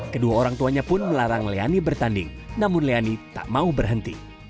kedua orang tuanya pun melarang leani bertanding namun leani tak mau berhenti